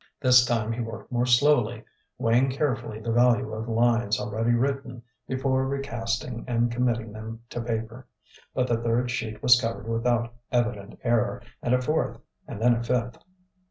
This time he worked more slowly, weighing carefully the value of lines already written before recasting and committing them to paper; but the third sheet was covered without evident error, and a fourth, and then a fifth.